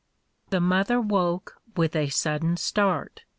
The mother woke with a sudden start.